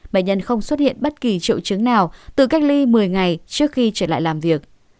bệnh nhân không xuất hiện bất kỳ triệu chứng nào tự cách ly một mươi ngày trước khi trở lại làm việc